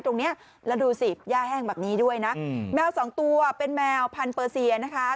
ตรงนี้แล้วดูสิย่าแห้งแบบนี้ด้วยนะแมวสองตัวเป็นแมวพันเปอร์เซียนะคะ